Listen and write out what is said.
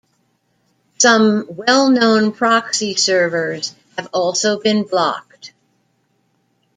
Some well-known proxy servers have also been blocked.